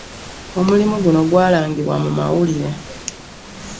Omulimu guno gwalangibwa mu mawulire.